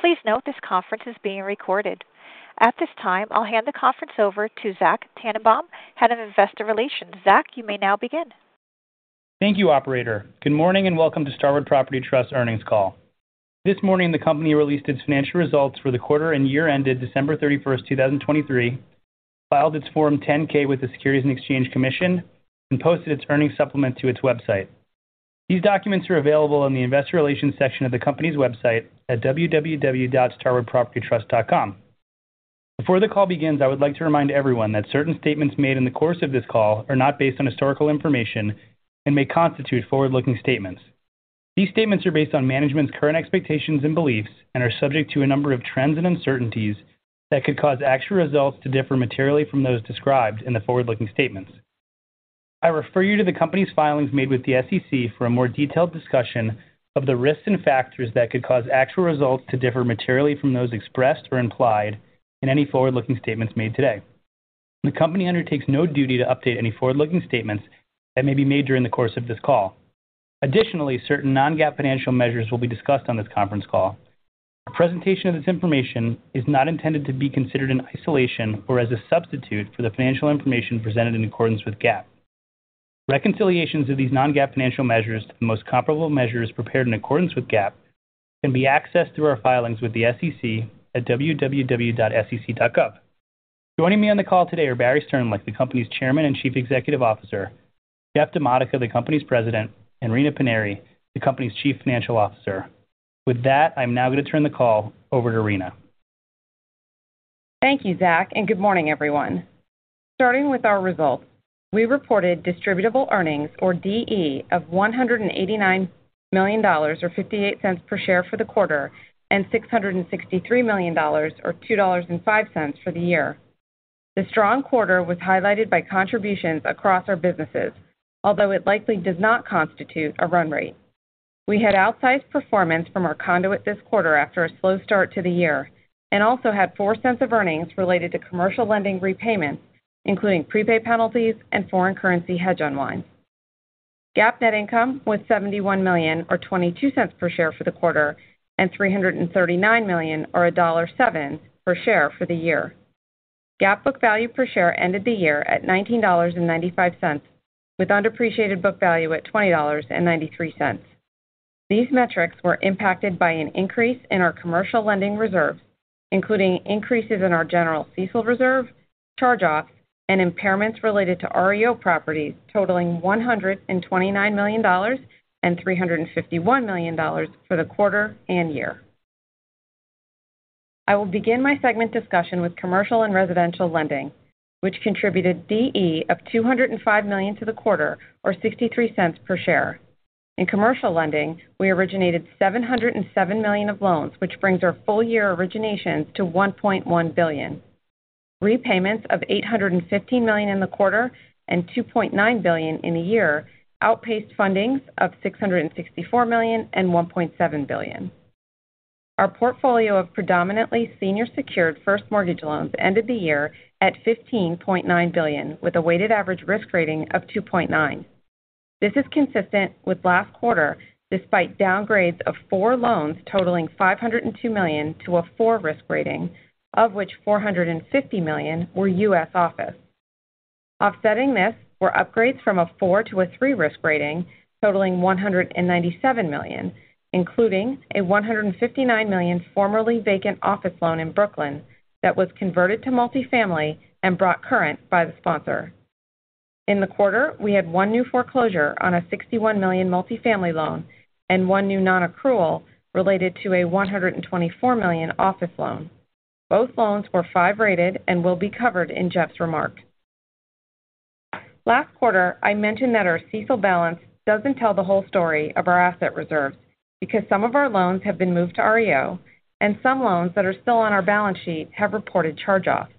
Please note this conference is being recorded. At this time, I'll hand the conference over to Zach Tanenbaum, Head of Investor Relations. Zach, you may now begin. Thank you, operator. Good morning, and welcome to Starwood Property Trust earnings call. This morning, the company released its financial results for the quarter and year ended December 31st, 2023, filed its Form 10-K with the Securities and Exchange Commission, and posted its earnings supplement to its website. These documents are available in the Investor Relations section of the company's website at www.starwoodpropertytrust.com. Before the call begins, I would like to remind everyone that certain statements made in the course of this call are not based on historical information and may constitute forward-looking statements. These statements are based on management's current expectations and beliefs and are subject to a number of trends and uncertainties that could cause actual results to differ materially from those described in the forward-looking statements. I refer you to the company's filings made with the SEC for a more detailed discussion of the risks and factors that could cause actual results to differ materially from those expressed or implied in any forward-looking statements made today. The company undertakes no duty to update any forward-looking statements that may be made during the course of this call. Additionally, certain non-GAAP financial measures will be discussed on this conference call. A presentation of this information is not intended to be considered in isolation or as a substitute for the financial information presented in accordance with GAAP. Reconciliations of these non-GAAP financial measures to the most comparable measures prepared in accordance with GAAP can be accessed through our filings with the SEC at www.sec.gov. Joining me on the call today are Barry Sternlicht, the company's Chairman and Chief Executive Officer, Jeff DiModica, the company's President, and Rina Paniry, the company's Chief Financial Officer. With that, I'm now going to turn the call over to Rina. Thank you, Zach, and good morning, everyone. Starting with our results, we reported distributable earnings or DE of $189 million, or $0.58 per share for the quarter, and $663 million, or $2.05 for the year. The strong quarter was highlighted by contributions across our businesses, although it likely does not constitute a run rate. We had outsized performance from our conduit this quarter after a slow start to the year, and also had $0.04 of earnings related to commercial lending repayments, including prepaid penalties and foreign currency hedge unwinds. GAAP net income was $71 million, or $0.22 per share for the quarter, and $339 million, or $1.07 per share for the year. GAAP book value per share ended the year at $19.95, with undepreciated book value at $20.93. These metrics were impacted by an increase in our commercial lending reserves, including increases in our general CECL reserve, charge-offs, and impairments related to REO properties, totaling $129 million and $351 million for the quarter and year. I will begin my segment discussion with commercial and residential lending, which contributed DE of $205 million to the quarter, or $0.63 per share. In commercial lending, we originated $707 million of loans, which brings our full year originations to $1.1 billion. Repayments of $850 million in the quarter and $2.9 billion in the year outpaced fundings of $664 million and $1.7 billion. Our portfolio of predominantly senior secured first mortgage loans ended the year at $15.9 billion, with a weighted average risk rating of 2.9. This is consistent with last quarter, despite downgrades of 4 loans totaling $502 million to a 4 risk rating, of which $450 million were U.S. office. Offsetting this were upgrades from a 4 to a 3 risk rating, totaling $197 million, including a $159 million formerly vacant office loan in Brooklyn that was converted to multifamily and brought current by the sponsor. In the quarter, we had one new foreclosure on a $61 million multifamily loan and one new non-accrual related to a $124 million office loan. Both loans were 5-rated and will be covered in Jeff's remarks. Last quarter, I mentioned that our CECL balance doesn't tell the whole story of our asset reserves, because some of our loans have been moved to REO, and some loans that are still on our balance sheet have reported charge-offs.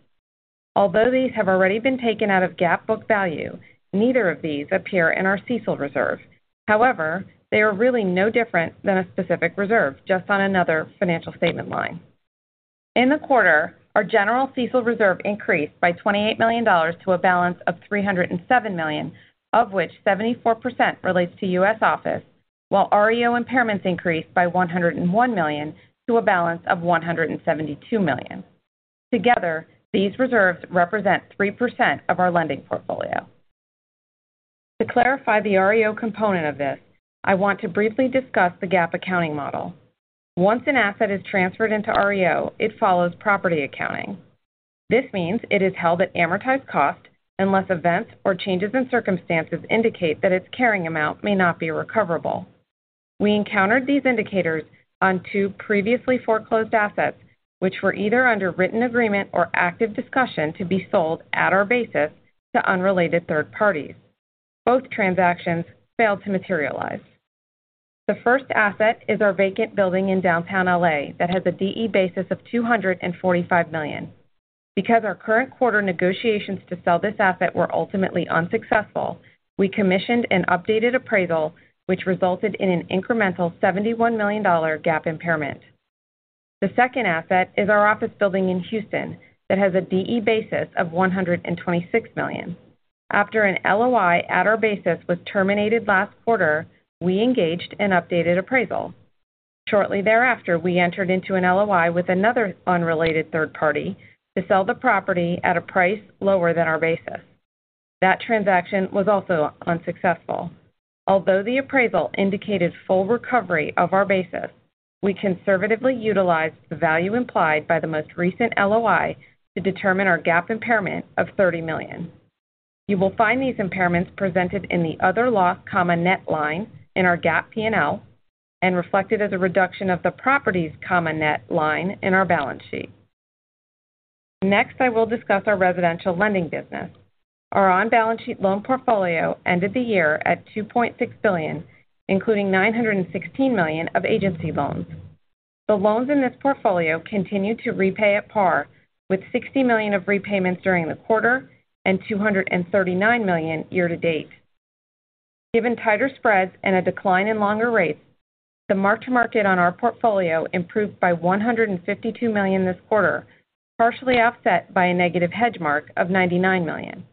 Although these have already been taken out of GAAP book value, neither of these appear in our CECL reserve. However, they are really no different than a specific reserve, just on another financial statement line. In the quarter, our general CECL reserve increased by $28 million to a balance of $307 million, of which 74% relates to U.S. office, while REO impairments increased by $101 million to a balance of $172 million. Together, these reserves represent 3% of our lending portfolio. To clarify the REO component of this, I want to briefly discuss the GAAP accounting model. Once an asset is transferred into REO, it follows property accounting. This means it is held at amortized cost unless events or changes in circumstances indicate that its carrying amount may not be recoverable. We encountered these indicators on two previously foreclosed assets, which were either under written agreement or active discussion to be sold at our basis to unrelated third parties. Both transactions failed to materialize. The first asset is our vacant building in Downtown LA that has a DE basis of $245 million. Because our current quarter negotiations to sell this asset were ultimately unsuccessful, we commissioned an updated appraisal, which resulted in an incremental $71 million GAAP impairment. The second asset is our office building in Houston that has a DE basis of $126 million. After an LOI at our basis was terminated last quarter, we engaged an updated appraisal. Shortly thereafter, we entered into an LOI with another unrelated third party to sell the property at a price lower than our basis. That transaction was also unsuccessful. Although the appraisal indicated full recovery of our basis, we conservatively utilized the value implied by the most recent LOI to determine our GAAP impairment of $30 million. You will find these impairments presented in the other loss, net line in our GAAP P&L, and reflected as a reduction of the properties, net line in our balance sheet. Next, I will discuss our residential lending business. Our on-balance sheet loan portfolio ended the year at $2.6 billion, including $916 million of agency loans. The loans in this portfolio continued to repay at par, with $60 million of repayments during the quarter and $239 million year to date. Given tighter spreads and a decline in longer rates, the mark to market on our portfolio improved by $152 million this quarter, partially offset by a negative hedge mark of $99 million.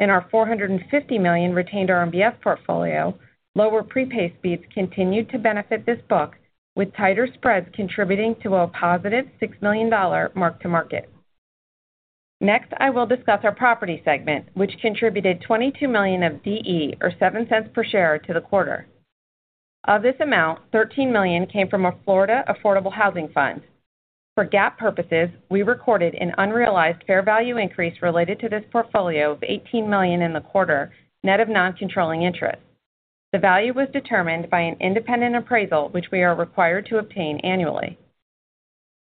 In our $450 million retained RMBS portfolio, lower prepay speeds continued to benefit this book, with tighter spreads contributing to a positive $6 million mark-to-market. Next, I will discuss our property segment, which contributed $22 million of DE, or $0.07 per share, to the quarter. Of this amount, $13 million came from a Florida Affordable Housing Fund. For GAAP purposes, we recorded an unrealized fair value increase related to this portfolio of $18 million in the quarter, net of non-controlling interest. The value was determined by an independent appraisal, which we are required to obtain annually.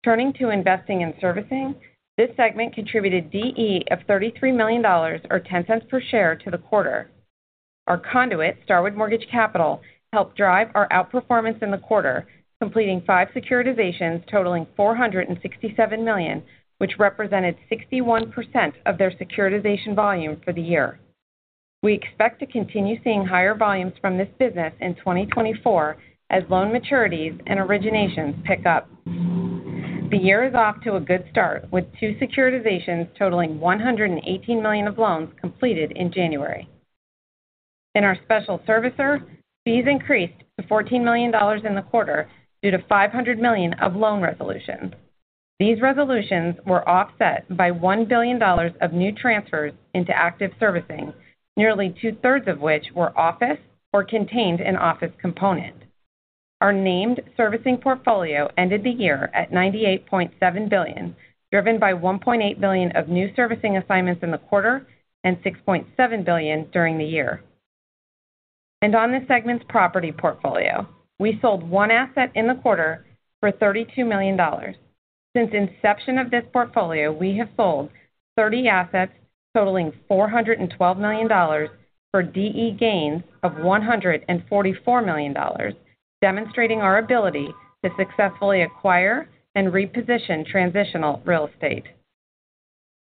Turning to investing and servicing, this segment contributed DE of $33 million, or $0.10 per share, to the quarter. Our conduit, Starwood Mortgage Capital, helped drive our outperformance in the quarter, completing five securitizations totaling $467 million, which represented 61% of their securitization volume for the year. We expect to continue seeing higher volumes from this business in 2024 as loan maturities and originations pick up. The year is off to a good start, with two securitizations totaling $118 million of loans completed in January. In our special servicer, fees increased to $14 million in the quarter due to $500 million of loan resolutions. These resolutions were offset by $1 billion of new transfers into active servicing, nearly two-thirds of which were office or contained an office component. Our named servicing portfolio ended the year at $98.7 billion, driven by $1.8 billion of new servicing assignments in the quarter and $6.7 billion during the year. On the segment's property portfolio, we sold one asset in the quarter for $32 million. Since inception of this portfolio, we have sold 30 assets totaling $412 million for DE gains of $144 million, demonstrating our ability to successfully acquire and reposition transitional real estate.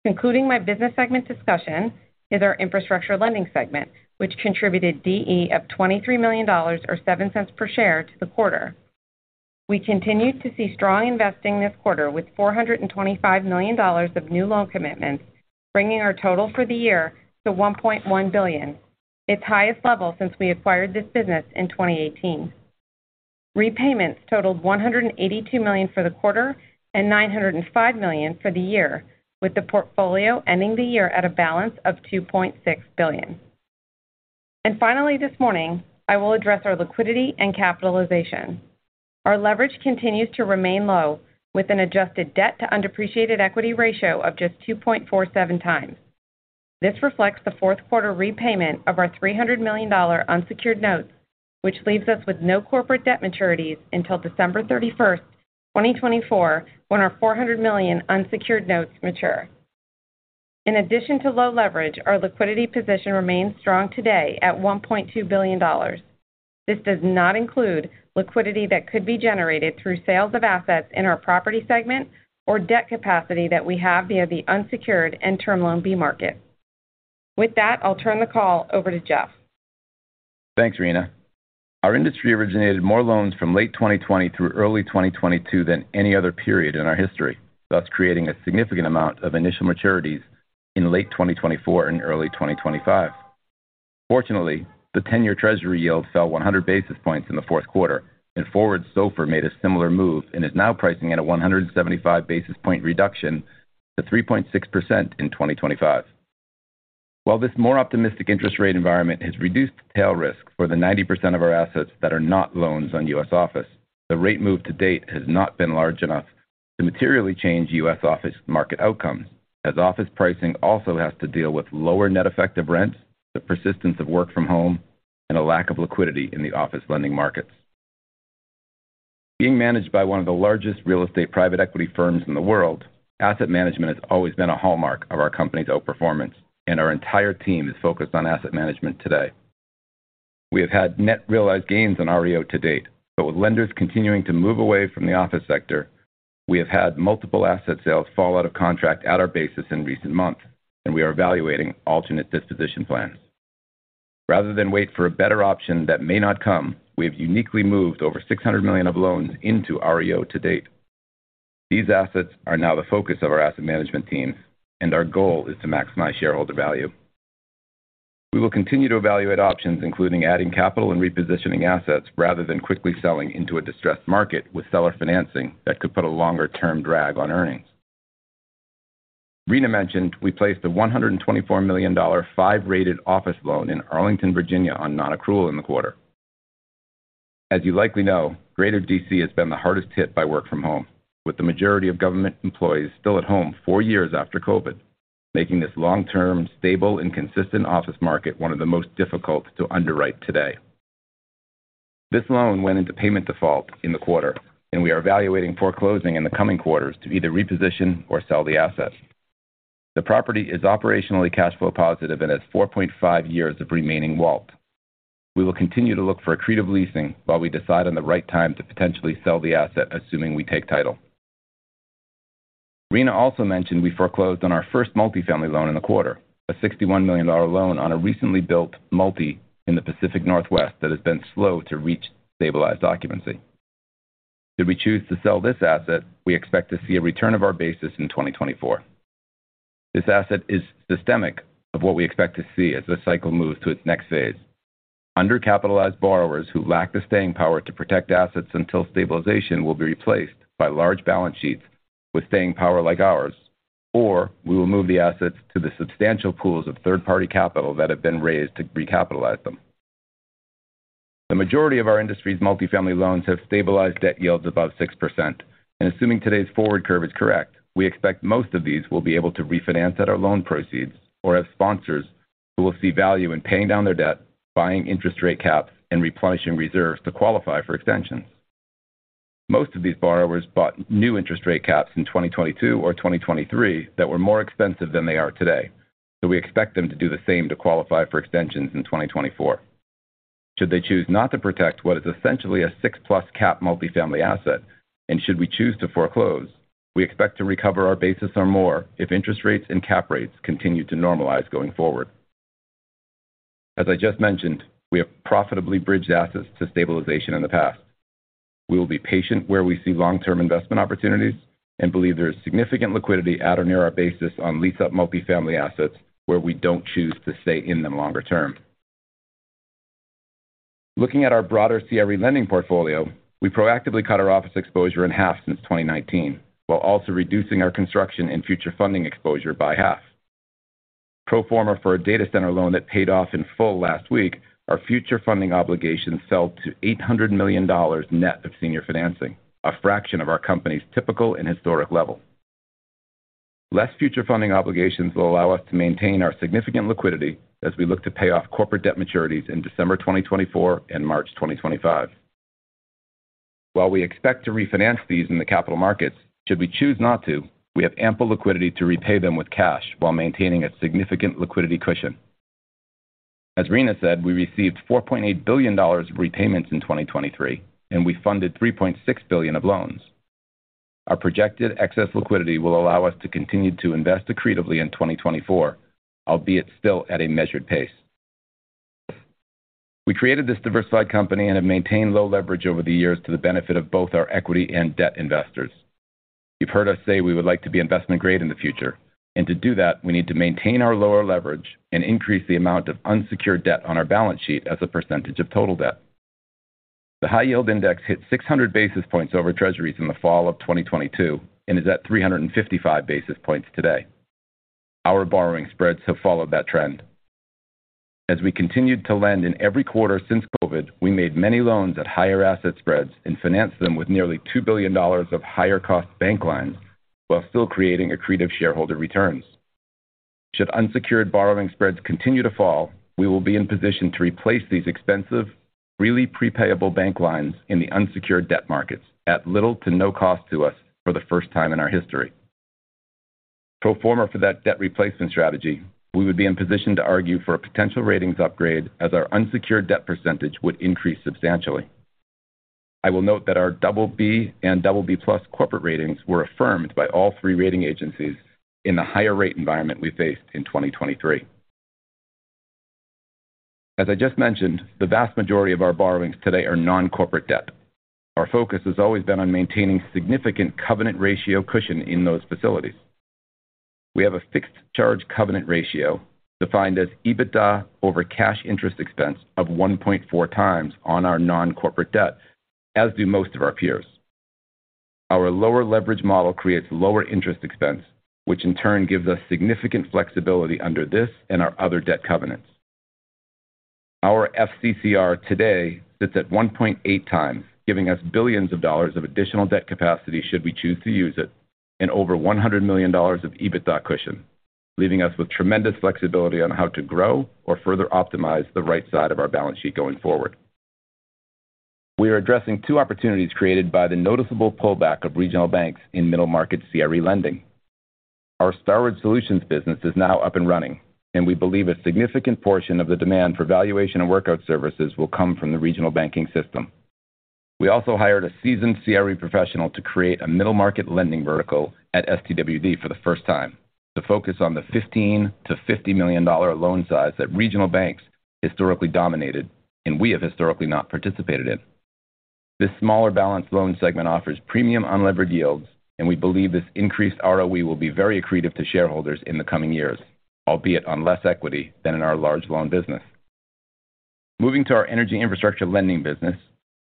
Concluding my business segment discussion is our infrastructure lending segment, which contributed DE of $23 million or $0.07 per share to the quarter. We continued to see strong investing this quarter with $425 million of new loan commitments, bringing our total for the year to $1.1 billion, its highest level since we acquired this business in 2018. Repayments totaled $182 million for the quarter and $905 million for the year, with the portfolio ending the year at a balance of $2.6 billion. And finally, this morning, I will address our liquidity and capitalization. Our leverage continues to remain low, with an adjusted debt to undepreciated equity ratio of just 2.47x. This reflects the fourth quarter repayment of our $300 million unsecured notes, which leaves us with no corporate debt maturities until December 31, 2024, when our $400 million unsecured notes mature. In addition to low leverage, our liquidity position remains strong today at $1.2 billion. This does not include liquidity that could be generated through sales of assets in our property segment or debt capacity that we have via the unsecured and Term Loan B market. With that, I'll turn the call over to Jeff. Thanks, Rina. Our industry originated more loans from late 2020 through early 2022 than any other period in our history, thus creating a significant amount of initial maturities in late 2024 and early 2025. Fortunately, the 10-year Treasury yield fell 100 basis points in the fourth quarter, and forward SOFR made a similar move and is now pricing at a 175 basis point reduction to 3.6% in 2025. While this more optimistic interest rate environment has reduced tail risk for the 90% of our assets that are not loans on U.S. office, the rate move to date has not been large enough to materially change U.S. office market outcomes, as office pricing also has to deal with lower net effective rents, the persistence of work from home, and a lack of liquidity in the office lending markets. Being managed by one of the largest real estate private equity firms in the world, asset management has always been a hallmark of our company's outperformance, and our entire team is focused on asset management today. We have had net realized gains on REO to date, but with lenders continuing to move away from the office sector, we have had multiple asset sales fall out of contract at our basis in recent months, and we are evaluating alternate disposition plans. Rather than wait for a better option that may not come, we have uniquely moved over $600 million of loans into REO to date. These assets are now the focus of our asset management teams, and our goal is to maximize shareholder value. We will continue to evaluate options, including adding capital and repositioning assets, rather than quickly selling into a distressed market with seller financing that could put a longer-term drag on earnings. Rina mentioned we placed a $124 million 5-rated office loan in Arlington, Virginia, on non-accrual in the quarter. As you likely know, Greater D.C. has been the hardest hit by work from home, with the majority of government employees still at home four years after COVID, making this long-term, stable, and consistent office market one of the most difficult to underwrite today. This loan went into payment default in the quarter, and we are evaluating foreclosing in the coming quarters to either reposition or sell the asset. The property is operationally cash flow positive and has 4.5 years of remaining WALT. We will continue to look for accretive leasing while we decide on the right time to potentially sell the asset, assuming we take title. Rina also mentioned we foreclosed on our first multifamily loan in the quarter, a $61 million loan on a recently built multi in the Pacific Northwest that has been slow to reach stabilized occupancy. Should we choose to sell this asset, we expect to see a return of our basis in 2024. This asset is systemic of what we expect to see as the cycle moves to its next phase. Under-capitalized borrowers who lack the staying power to protect assets until stabilization will be replaced by large balance sheets with staying power like ours, or we will move the assets to the substantial pools of third-party capital that have been raised to recapitalize them. The majority of our industry's multifamily loans have stabilized debt yields above 6%, and assuming today's forward curve is correct, we expect most of these will be able to refinance at our loan proceeds, or have sponsors who will see value in paying down their debt, buying interest rate caps, and replenishing reserves to qualify for extensions. Most of these borrowers bought new interest rate caps in 2022 or 2023 that were more expensive than they are today, so we expect them to do the same to qualify for extensions in 2024. Should they choose not to protect what is essentially a 6%+ cap multifamily asset, and should we choose to foreclose, we expect to recover our basis or more if interest rates and cap rates continue to normalize going forward. As I just mentioned, we have profitably bridged assets to stabilization in the past. We will be patient where we see long-term investment opportunities and believe there is significant liquidity at or near our basis on lease-up multifamily assets, where we don't choose to stay in them longer term. Looking at our broader CRE lending portfolio, we proactively cut our office exposure in half since 2019, while also reducing our construction and future funding exposure by half. Pro forma for a data center loan that paid off in full last week, our future funding obligations fell to $800 million net of senior financing, a fraction of our company's typical and historic level. Less future funding obligations will allow us to maintain our significant liquidity as we look to pay off corporate debt maturities in December 2024 and March 2025. While we expect to refinance these in the capital markets, should we choose not to, we have ample liquidity to repay them with cash while maintaining a significant liquidity cushion. As Rina said, we received $4.8 billion of repayments in 2023, and we funded $3.6 billion of loans. Our projected excess liquidity will allow us to continue to invest accretively in 2024, albeit still at a measured pace. We created this diversified company and have maintained low leverage over the years to the benefit of both our equity and debt investors. You've heard us say we would like to be investment grade in the future, and to do that, we need to maintain our lower leverage and increase the amount of unsecured debt on our balance sheet as a percentage of total debt. The high yield index hit 600 basis points over Treasuries in the fall of 2022 and is at 355 basis points today. Our borrowing spreads have followed that trend. As we continued to lend in every quarter since COVID, we made many loans at higher asset spreads and financed them with nearly $2 billion of higher-cost bank lines while still creating accretive shareholder returns. Should unsecured borrowing spreads continue to fall, we will be in position to replace these expensive, really prepayable bank lines in the unsecured debt markets at little to no cost to us for the first time in our history. Pro forma for that debt replacement strategy, we would be in position to argue for a potential ratings upgrade as our unsecured debt percentage would increase substantially. I will note that our BB and BB+ corporate ratings were affirmed by all three rating agencies in the higher rate environment we faced in 2023. As I just mentioned, the vast majority of our borrowings today are non-corporate debt. Our focus has always been on maintaining significant covenant ratio cushion in those facilities. We have a fixed charge covenant ratio defined as EBITDA over cash interest expense of 1.4x on our non-corporate debt, as do most of our peers. Our lower leverage model creates lower interest expense, which in turn gives us significant flexibility under this and our other debt covenants. Our FCCR today sits at 1.8x, giving us billions of dollars of additional debt capacity should we choose to use it, and over $100 million of EBITDA cushion, leaving us with tremendous flexibility on how to grow or further optimize the right side of our balance sheet going forward. We are addressing two opportunities created by the noticeable pullback of regional banks in middle market CRE lending. Our Starwood Solutions business is now up and running, and we believe a significant portion of the demand for valuation and workout services will come from the regional banking system. We also hired a seasoned CRE professional to create a middle-market lending vertical at STWD for the first time, to focus on the $15 million-$50 million loan size that regional banks historically dominated, and we have historically not participated in. This smaller balance loan segment offers premium unlevered yields, and we believe this increased ROE will be very accretive to shareholders in the coming years, albeit on less equity than in our large loan business. Moving to our energy infrastructure lending business,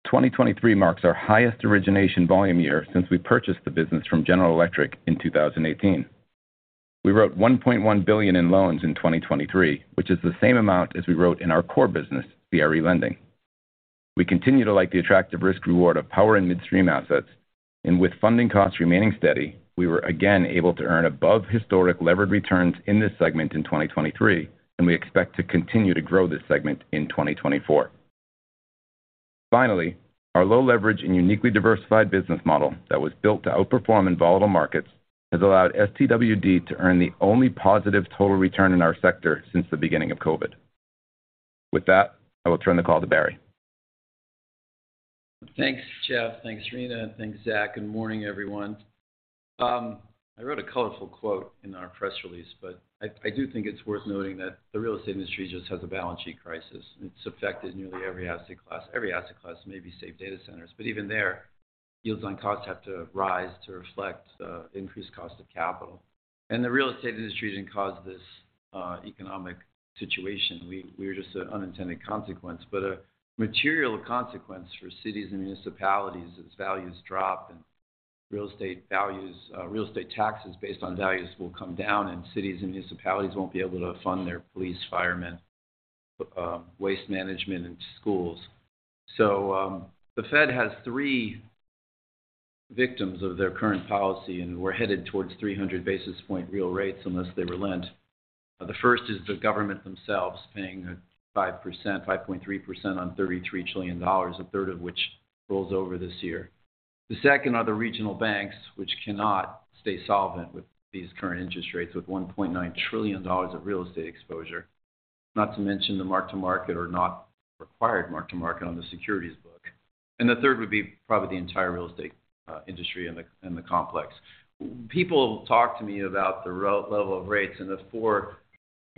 2023 marks our highest origination volume year since we purchased the business from General Electric in 2018. We wrote $1.1 billion in loans in 2023, which is the same amount as we wrote in our core business, CRE lending. We continue to like the attractive risk reward of power and midstream assets, and with funding costs remaining steady, we were again able to earn above historic levered returns in this segment in 2023, and we expect to continue to grow this segment in 2024. Finally, our low leverage and uniquely diversified business model that was built to outperform in volatile markets, has allowed STWD to earn the only positive total return in our sector since the beginning of COVID. With that, I will turn the call to Barry. Thanks, Jeff. Thanks, Rina. Thanks, Zach. Good morning, everyone. I wrote a colorful quote in our press release, but I do think it's worth noting that the real estate industry just has a balance sheet crisis, and it's affected nearly every asset class. Every asset class, maybe safe data centers, but even there, yields on costs have to rise to reflect increased cost of capital. And the real estate industry didn't cause this economic situation. We were just an unintended consequence, but a material consequence for cities and municipalities as values drop and real estate values, real estate taxes based on values will come down, and cities and municipalities won't be able to fund their police, firemen, waste management, and schools. The Fed has three victims of their current policy, and we're headed towards 300 basis point real rates unless they relent. The first is the government themselves, paying 5%, 5.3% on $33 trillion, 1/3 of which rolls over this year. The second are the regional banks, which cannot stay solvent with these current interest rates, with $1.9 trillion of real estate exposure, not to mention the mark-to-market or not required mark-to-market on the securities book. The third would be probably the entire real estate industry and the complex. People talk to me about the real level of rates, and the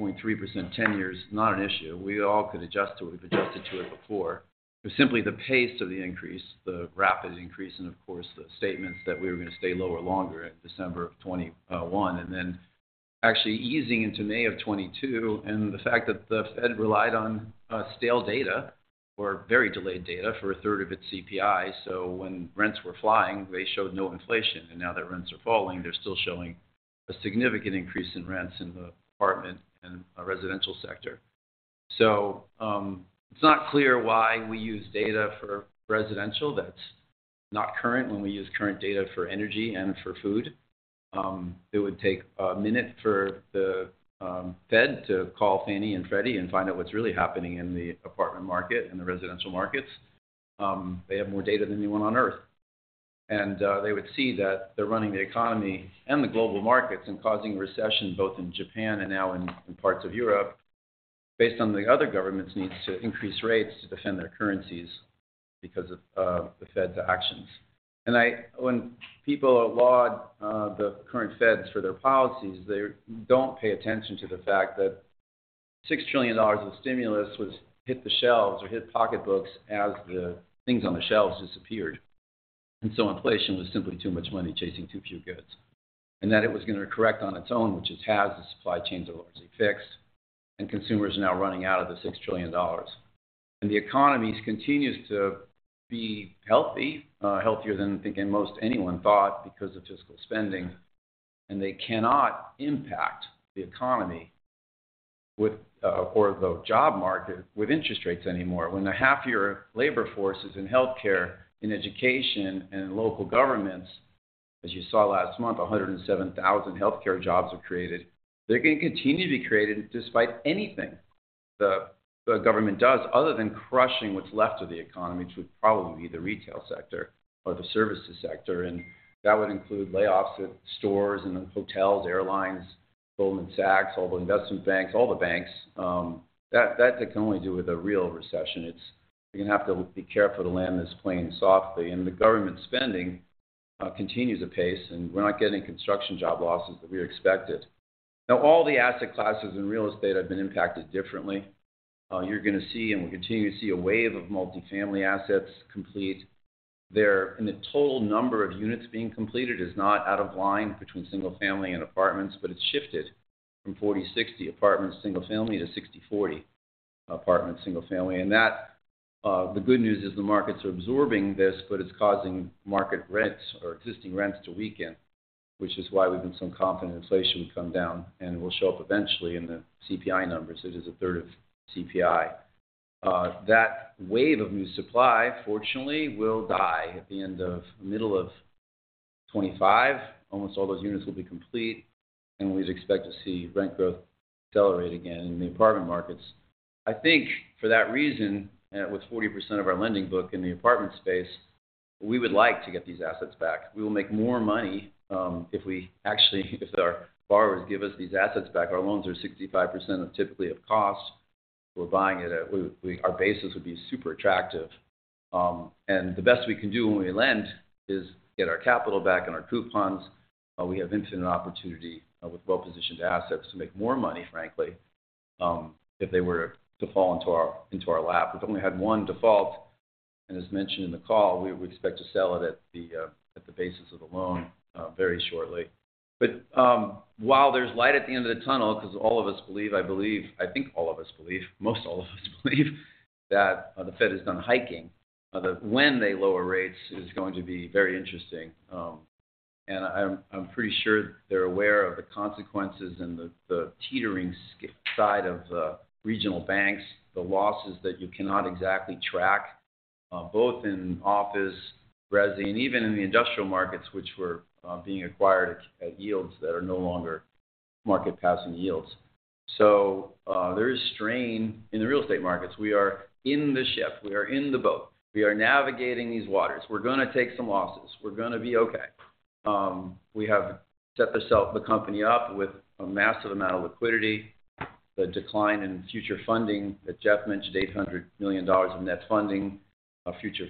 4.3% 10-year, not an issue. We all could adjust to it. We've adjusted to it before. But simply the pace of the increase, the rapid increase, and of course, the statements that we were going to stay lower longer in December of 2021, and then actually easing into May of 2022, and the fact that the Fed relied on stale data or very delayed data for a third of its CPI. So when rents were flying, they showed no inflation, and now that rents are falling, they're still showing a significant increase in rents in the apartment and residential sector. So it's not clear why we use data for residential that's not current when we use current data for energy and for food. It would take a minute for the Fed to call Fannie and Freddie and find out what's really happening in the apartment market and the residential markets. They have more data than anyone on Earth. And they would see that they're running the economy and the global markets and causing recession both in Japan and now in parts of Europe, based on the other governments' needs to increase rates to defend their currencies because of the Fed's actions. And when people laud the current Fed for their policies, they don't pay attention to the fact that $6 trillion of stimulus was hit the shelves or hit pocketbooks as the things on the shelves disappeared. And so inflation was simply too much money chasing too few goods, and that it was going to correct on its own, which it has. The supply chains are largely fixed, and consumers are now running out of the $6 trillion. The economy continues to be healthy, healthier than I think most anyone thought because of fiscal spending, and they cannot impact the economy with, or the job market with interest rates anymore. When the half of your labor force is in healthcare, in education, and in local governments, as you saw last month, 107,000 healthcare jobs were created. They're going to continue to be created despite anything the government does, other than crushing what's left of the economy, which would probably be the retail sector or the services sector. And that would include layoffs at stores and in hotels, airlines, Goldman Sachs, all the investment banks, all the banks. That can only do with a real recession. It's. You're going to have to be careful. The land is playing softly, and the government spending continues apace, and we're not getting construction job losses that we expected. Now, all the asset classes in real estate have been impacted differently. You're going to see, and we continue to see, a wave of multifamily assets complete. And the total number of units being completed is not out of line between single-family and apartments, but it's shifted from 40-60, apartments, single-family, to 60-40, apartments, single-family. And that, the good news is the markets are absorbing this, but it's causing market rents or existing rents to weaken, which is why we've been so confident inflation would come down and will show up eventually in the CPI numbers. It is a third of CPI. That wave of new supply, fortunately, will die at the end of middle of 2025. Almost all those units will be complete, and we expect to see rent growth accelerate again in the apartment markets. I think for that reason, and with 40% of our lending book in the apartment space, we would like to get these assets back. We will make more money if we actually, if our borrowers give us these assets back. Our loans are 65% of typically of cost.... We're buying it at, our basis would be super attractive. And the best we can do when we lend is get our capital back and our coupons. We have infinite opportunity with well-positioned assets to make more money, frankly, if they were to fall into our lap. We've only had one default, and as mentioned in the call, we expect to sell it at the basis of the loan very shortly. But while there's light at the end of the tunnel, 'cause all of us believe, I believe, I think all of us believe, most all of us believe that the Fed is done hiking, that when they lower rates is going to be very interesting. And I'm pretty sure they're aware of the consequences and the teetering side of the regional banks, the losses that you cannot exactly track both in office, resi, and even in the industrial markets, which were being acquired at yields that are no longer market-passing yields. So there is strain in the real estate markets. We are in the ship, we are in the boat, we are navigating these waters. We're gonna take some losses. We're gonna be okay. We have set ourself, the company up with a massive amount of liquidity. The decline in future funding that Jeff mentioned, $800 million in net funding, future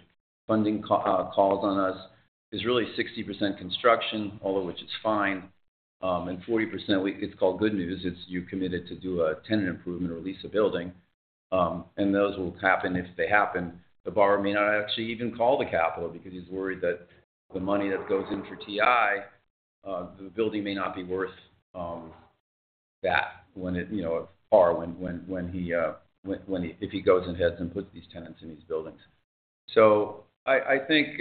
funding calls on us, is really 60% construction, all of which is fine. And 40%, it's called good news, it's you committed to do a tenant improvement or lease a building. And those will happen if they happen. The borrower may not actually even call the capital, because he's worried that the money that goes in for TI, the building may not be worth that when it, you know, for when he -- if he goes ahead and puts these tenants in these buildings. So I think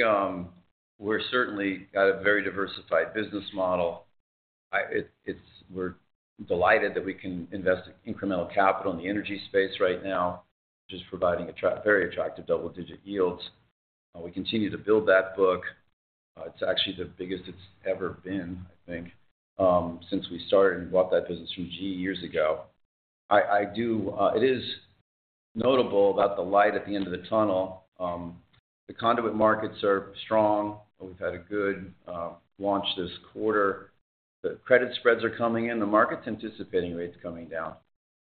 we're certainly at a very diversified business model. I -- it's -- we're delighted that we can invest incremental capital in the energy space right now, which is providing very attractive double-digit yields. We continue to build that book. It's actually the biggest it's ever been, I think, since we started and bought that business from GE years ago. It is notable that the light at the end of the tunnel, the conduit markets are strong. We've had a good launch this quarter. The credit spreads are coming in. The market's anticipating rates coming down,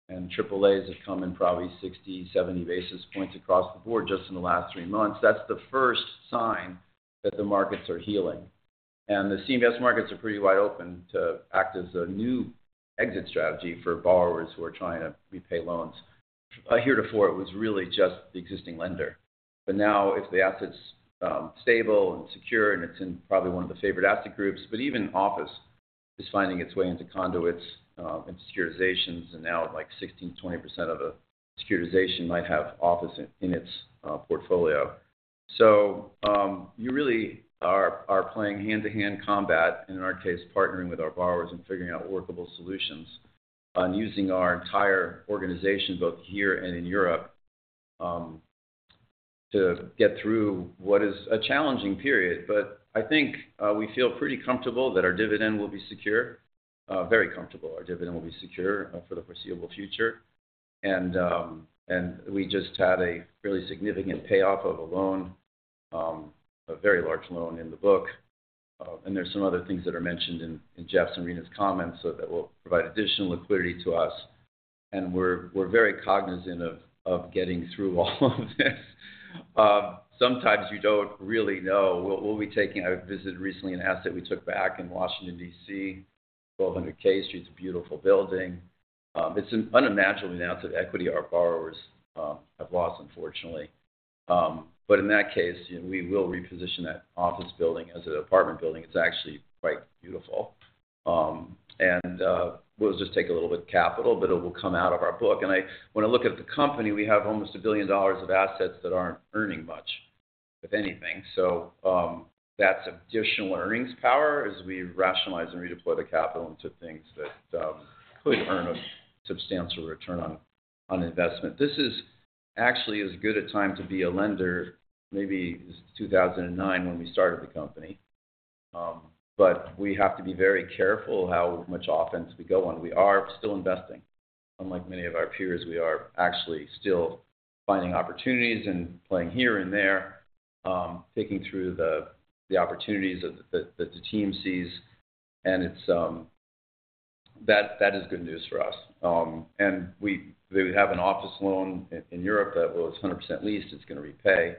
and AAA's have come in probably 60, 70 basis points across the board just in the last three months. That's the first sign that the markets are healing. And the CMBS markets are pretty wide open to act as a new exit strategy for borrowers who are trying to repay loans. Heretofore, it was really just the existing lender, but now if the asset's stable and secure, and it's in probably one of the favored asset groups, but even office is finding its way into conduits and securitizations, and now, like, 16%-20% of the securitization might have office in its portfolio. So, you really are playing hand-to-hand combat, and in our case, partnering with our borrowers and figuring out workable solutions, using our entire organization, both here and in Europe, to get through what is a challenging period. But I think, we feel pretty comfortable that our dividend will be secure, very comfortable our dividend will be secure, for the foreseeable future. We just had a really significant payoff of a loan, a very large loan in the book. There's some other things that are mentioned in Jeff's and Rina's comments, so that will provide additional liquidity to us. We're very cognizant of getting through all of this. Sometimes you don't really know. I visited recently an asset we took back in Washington, D.C., 1200 K Street. It's a beautiful building. It's an unimaginable amount of equity our borrowers have lost, unfortunately. But in that case, we will reposition that office building as an apartment building. It's actually quite beautiful. And we'll just take a little bit of capital, but it will come out of our book. And when I look at the company, we have almost $1 billion of assets that aren't earning much, if anything. So that's additional earnings power as we rationalize and redeploy the capital into things that could earn a substantial return on investment. This is actually as good a time to be a lender, maybe since 2009, when we started the company. But we have to be very careful how much offense we go on. We are still investing. Unlike many of our peers, we are actually still finding opportunities and playing here and there, picking through the opportunities that the team sees, and that is good news for us. And we have an office loan in Europe that well, it's 100% leased, it's gonna repay.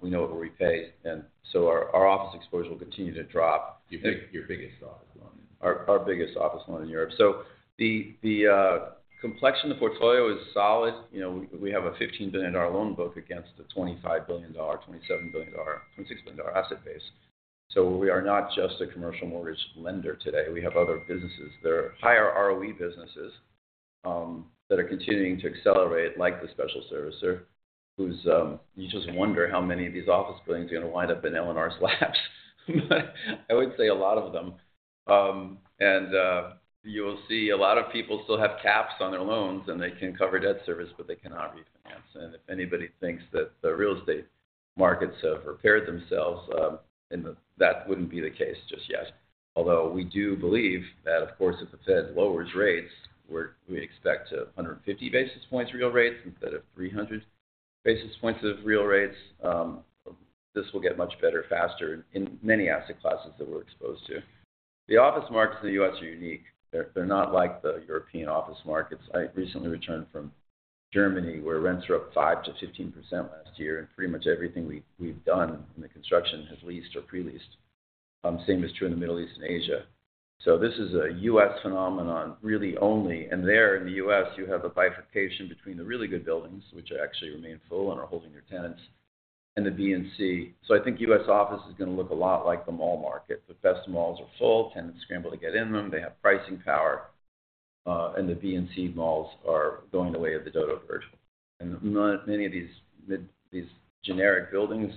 We know it will repay, and so our office exposure will continue to drop- Your biggest office loan? Our biggest office loan in Europe. So the complexion of the portfolio is solid. You know, we have a $15 billion loan book against a $25 billion, $27 billion, $26 billion asset base. So we are not just a commercial mortgage lender today, we have other businesses. There are higher ROE businesses that are continuing to accelerate, like the special servicer, who's you just wonder how many of these office buildings are gonna wind up in LNR's lap. I would say a lot of them. And you'll see a lot of people still have caps on their loans, and they can cover debt service, but they cannot refinance. And if anybody thinks that the real estate markets have repaired themselves, then that wouldn't be the case just yet. Although, we do believe that, of course, if the Fed lowers rates, we expect 150 basis points real rates instead of 300 basis points of real rates, this will get much better faster in many asset classes that we're exposed to. The office markets in the U.S. are unique. They're, they're not like the European office markets. I recently returned from Germany, where rents were up 5%-15% last year, and pretty much everything we've, we've done in the construction has leased or pre-leased. Same is true in the Middle East and Asia. So this is a U.S. phenomenon, really only. And there in the U.S., you have a bifurcation between the really good buildings, which actually remain full and are holding their tenants, and the B and C. So I think U.S. office is going to look a lot like the mall market. The best malls are full, tenants scramble to get in them, they have pricing power, and the B and C malls are going the way of the dodo bird. And not many of these generic buildings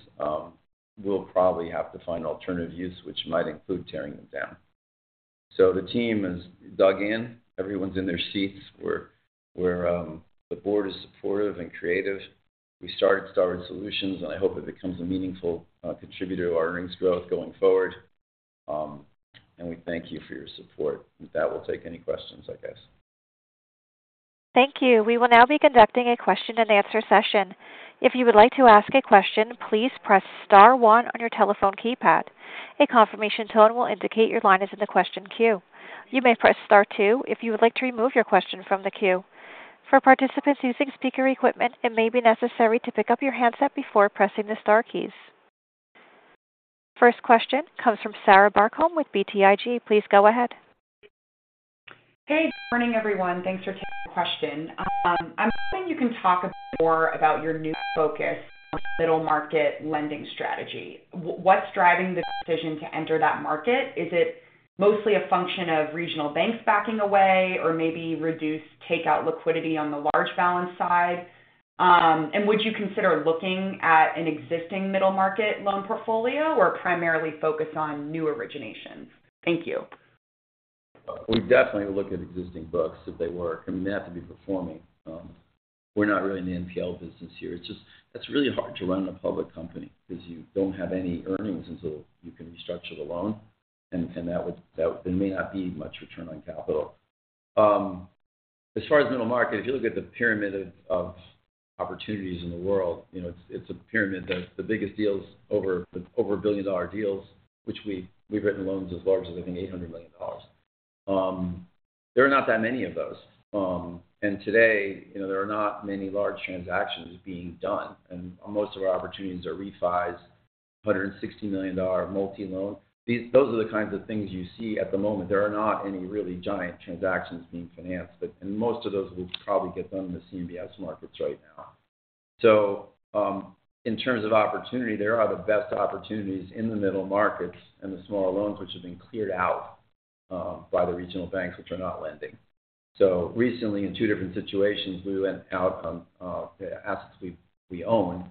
will probably have to find alternative use, which might include tearing them down. So the team is dug in. Everyone's in their seats, where the board is supportive and creative. We started Starwood Solutions, and I hope it becomes a meaningful contributor to our earnings growth going forward. And we thank you for your support. With that, we'll take any questions, I guess. Thank you. We will now be conducting a question-and-answer session. If you would like to ask a question, please press star one on your telephone keypad. A confirmation tone will indicate your line is in the question queue. You may press star two if you would like to remove your question from the queue. For participants using speaker equipment, it may be necessary to pick up your handset before pressing the star keys. First question comes from Sarah Barcomb with BTIG. Please go ahead. Hey, good morning, everyone. Thanks for taking my question. I'm hoping you can talk a bit more about your new focus on middle-market lending strategy. What's driving the decision to enter that market? Is it mostly a function of regional banks backing away or maybe reduced takeout liquidity on the large balance side? And would you consider looking at an existing middle market loan portfolio or primarily focus on new originations? Thank you. We definitely look at existing books if they work, I mean, they have to be performing. We're not really in the NPL business here. It's just, that's really hard to run a public company because you don't have any earnings until you can restructure the loan, and that there may not be much return on capital. As far as middle market, if you look at the pyramid of opportunities in the world, you know, it's a pyramid that the biggest deals over $1 billion deals, which we've written loans as large as, I think, $800 million. There are not that many of those. And today, you know, there are not many large transactions being done, and most of our opportunities are refis, $160 million multi-loan. Those are the kinds of things you see at the moment. There are not any really giant transactions being financed, but and most of those would probably get done in the CMBS markets right now. So, in terms of opportunity, there are the best opportunities in the middle markets and the smaller loans, which have been cleared out, by the regional banks, which are not lending. So recently, in two different situations, we went out on, assets we, we own,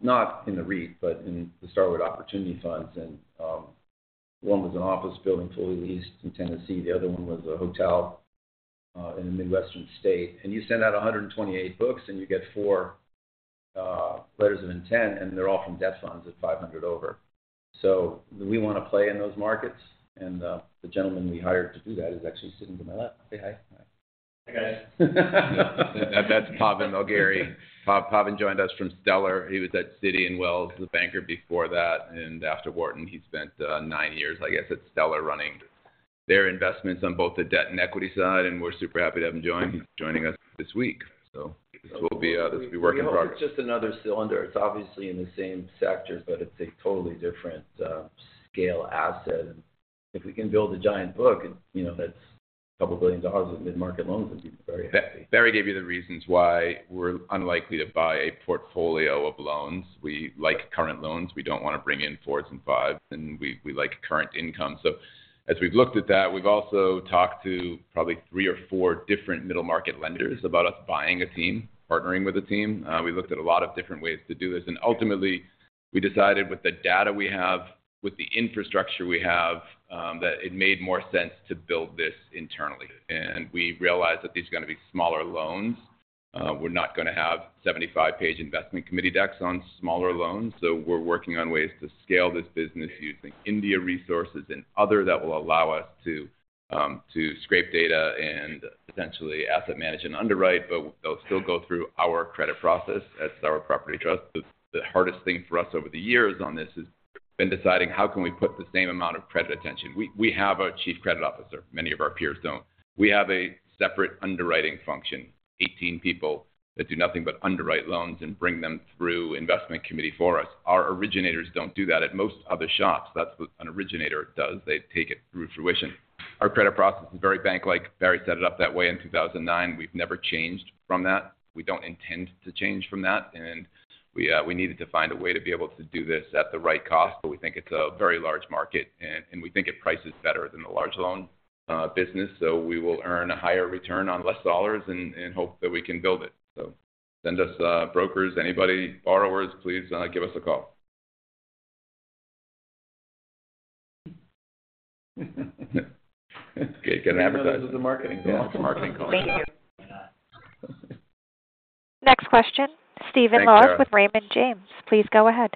not in the REIT, but in the Starwood opportunity funds. And, one was an office building, fully leased in Tennessee. The other one was a hotel, in a Midwestern state. And you send out 128 books, and you get four letters of intent, and they're all from debt funds at 500 over. So we want to play in those markets, and the gentleman we hired to do that is actually sitting to my left. Say hi. Hi, guys. That's Pawan Melgiri. Pawan joined us from Stellar. He was at Citi and Wells Fargo, the banker before that, and after Wharton, he spent nine years, I guess, at Stellar, running their investments on both the debt and equity side, and we're super happy to have him join. He's joining us this week, so this will be a work in progress. It's just another cylinder. It's obviously in the same sectors, but it's a totally different scale asset. If we can build a giant book, you know, that's couple billion dollars of mid-market loans, it'd be very happy. Barry gave you the reasons why we're unlikely to buy a portfolio of loans. We like current loans. We don't want to bring in fours and fives, and we, we like current income. So as we've looked at that, we've also talked to probably three or four different middle-market lenders about us buying a team, partnering with a team. We looked at a lot of different ways to do this, and ultimately, we decided with the data we have, with the infrastructure we have, that it made more sense to build this internally. And we realized that these are going to be smaller loans. We're not going to have 75-page investment committee decks on smaller loans, so we're working on ways to scale this business using India resources and other that will allow us to scrape data and potentially asset manage and underwrite, but they'll still go through our credit process at Starwood Property Trust. The hardest thing for us over the years on this has been deciding how can we put the same amount of credit attention. We have a chief credit officer. Many of our peers don't. We have a separate underwriting function, 18 people that do nothing but underwrite loans and bring them through investment committee for us. Our originators don't do that. At most other shops, that's what an originator does. They take it through fruition. Our credit process is very bank-like. Barry set it up that way in 2009. We've never changed from that. We don't intend to change from that, and we needed to find a way to be able to do this at the right cost, but we think it's a very large market, and we think it prices better than the large loan business. So we will earn a higher return on less dollars and hope that we can build it. So send us brokers, anybody, borrowers, please give us a call. Okay, get an advertisement. This is a marketing call. Thank you. Next question, Stephen Laws- Thanks, Sarah... with Raymond James. Please go ahead.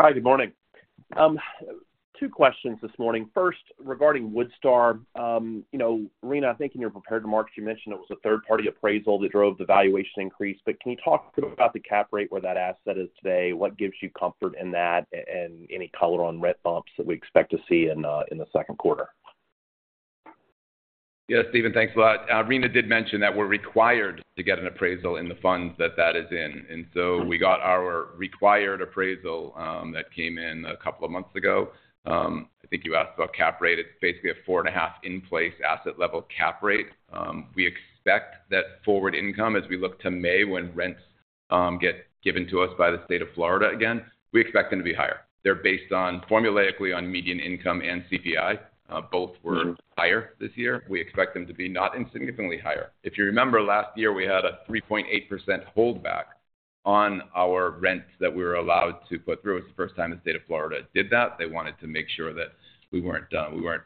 Hi, good morning. Two questions this morning. First, regarding Woodstar. You know, Rina, I think in your prepared remarks, you mentioned it was a third-party appraisal that drove the valuation increase, but can you talk about the cap rate where that asset is today? What gives you comfort in that, and any color on rent bumps that we expect to see in the second quarter? Yeah, Stephen, thanks a lot. Rina did mention that we're required to get an appraisal in the funds that that is in. So we got our required appraisal, that came in a couple of months ago. I think you asked about cap rate. It's basically a 4.5 in place, asset-level cap rate. We expect that forward income as we look to May, when rents get given to us by the state of Florida again, we expect them to be higher. They're based on formulaically on median income and CPI. Both were higher this year. We expect them to be not insignificantly higher. If you remember, last year, we had a 3.8% holdback on our rents that we were allowed to put through. It's the first time the state of Florida did that. They wanted to make sure that we weren't, we weren't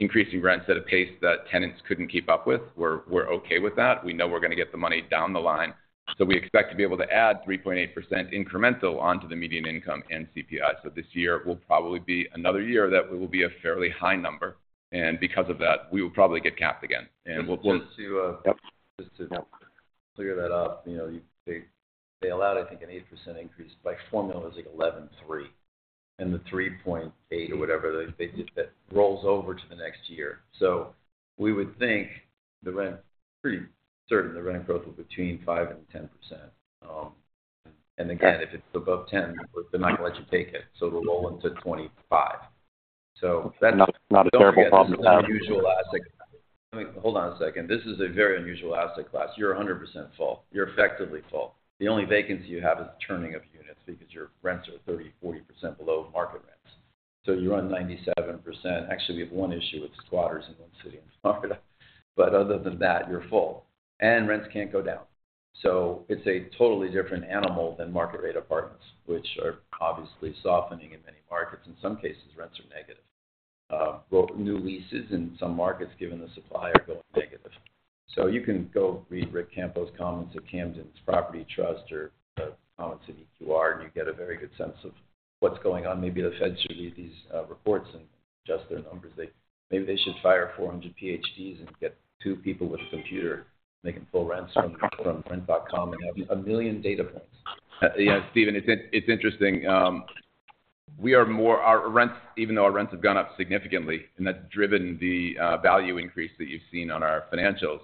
increasing rents at a pace that tenants couldn't keep up with. We're, we're okay with that. We know we're gonna get the money down the line. So we expect to be able to add 3.8% incremental onto the median income and CPI. So this year will probably be another year that we will be a fairly high number, and because of that, we will probably get capped again. And we'll- Just to, Yep. Just to clear that up, you know, they allowed, I think, an 8% increase. By formula, it's like 11.3, and the 3.8% or whatever, they, it rolls over to the next year. So we would think the rent pretty certain, the rent growth was between 5% and 10%. And again, if it's above 10%, they're not going to let you take it, so it'll roll into 25. So- Not, not a terrible problem to have. Unusual asset. I mean, hold on a second. This is a very unusual asset class. You're 100% full. You're effectively full. The only vacancy you have is the churning of units because your rents are 30%-40% below market rents, so you run 97%. Actually, we have one issue with squatters in one city in Florida, but other than that, you're full, and rents can't go down. So it's a totally different animal than market-rate apartments, which are obviously softening in many markets. In some cases, rents are negative. Well, new leases in some markets, given the supply, are going negative. So you can go read Rick Campo's comments at Camden Property Trust or comments in EQR, and you get a very good sense of what's going on. Maybe the Fed should read these reports and adjust their numbers. They, maybe they should fire 400 PhDs and get two people with a computer making full rents from, from rent.com and have 1 million data points. Yeah, Stephen, it's interesting. We are more— Our rents, even though our rents have gone up significantly, and that's driven the value increase that you've seen on our financials,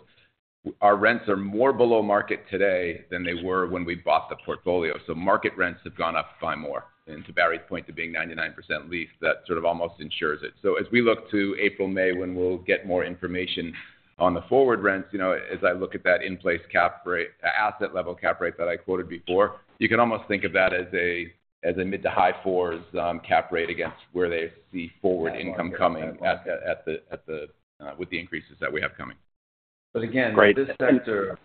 our rents are more below market today than they were when we bought the portfolio. So market rents have gone up by more. And to Barry's point, to being 99% leased, that sort of almost ensures it. So as we look to April, May, when we'll get more information on the forward rents, you know, as I look at that in place, cap rate— asset level cap rate that I quoted before, you can almost think of that as a mid- to high-4s cap rate against where they see forward income coming at the, at the... With the increases that we have coming. But again- Right. This sector